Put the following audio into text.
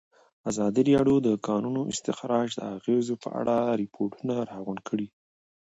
ازادي راډیو د د کانونو استخراج د اغېزو په اړه ریپوټونه راغونډ کړي.